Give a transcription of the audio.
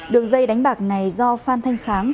đường dây đánh bạc này do phan thanh kháng